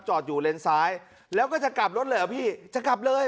อยู่เลนซ้ายแล้วก็จะกลับรถเลยเหรอพี่จะกลับเลย